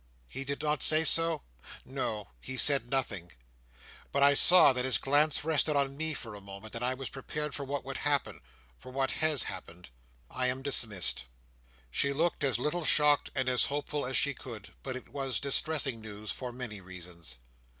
"He did not say so?" "No; he said nothing: but I saw that his glance rested on me for a moment, and I was prepared for what would happen—for what has happened. I am dismissed!" She looked as little shocked and as hopeful as she could, but it was distressing news, for many reasons.